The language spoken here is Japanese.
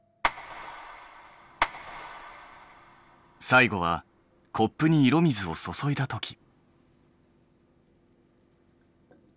最後はコップに色水を注いだとき。